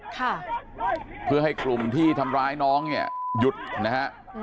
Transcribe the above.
ค่ะเพื่อให้กลุ่มที่ทำร้ายน้องเนี่ยหยุดนะฮะ